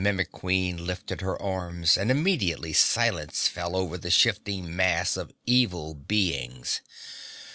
The Mimic Queen lifted her arms and immediately silence fell over the shifting mass of evil beings.